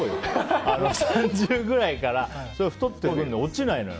３０ぐらいから太ってきて、落ちないのよ。